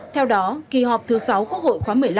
theo đó kỳ họp thứ sáu quốc hội khóa một mươi năm